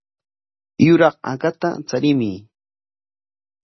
Yuraq hakata charimuy.